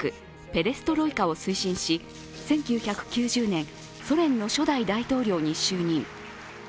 ペレストロイカを推進し１９９０年、ソ連の初代大統領に就任。